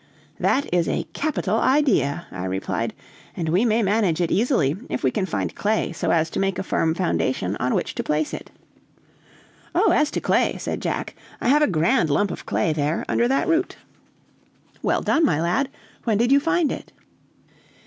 "That is a capital idea," I replied, "and we may manage it easily, if we can find clay so as to make a firm foundation on which to place it." "Oh, as to clay," said Jack, "I have a grand lump of clay there under that root." "Well done, my lad! when did you find it?"